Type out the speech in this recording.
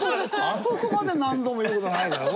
あそこまで何度も言う事はないだろ？